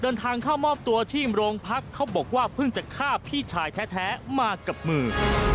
เดินทางเข้ามอบตัวที่โรงพักเขาบอกว่าเพิ่งจะฆ่าพี่ชายแท้มากับมือ